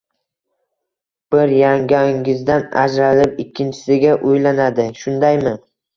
Bir yangangizdan ajralib, ikkinchisiga uylanadi, shundaymi